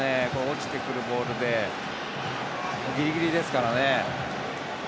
落ちてくるボールでギリギリですからね。